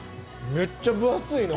めっちゃ分厚いの！